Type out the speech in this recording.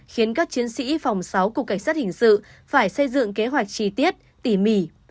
khiến các chiến sĩ phòng sáu của cảnh sát hình sự phải xây dựng kế hoạch chi tiết tỉ mỉ